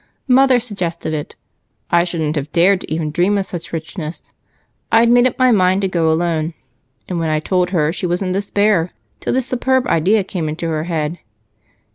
"Mother suggested it I shouldn't have dared even to dream of such richness. I'd made up my mind to go alone, and when I told her, she was in despair till this superb idea came into her head.